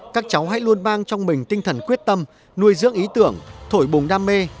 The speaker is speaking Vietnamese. các cháu hãy luôn mang trong mình tinh thần quyết tâm nuôi dưỡng ý tưởng thổi bùng đam mê